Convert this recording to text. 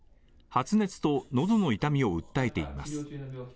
発熱と喉の痛みを訴えています。